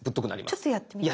ちょっとやってみていい？